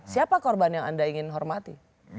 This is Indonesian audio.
siapa korban yang anda ingin hormati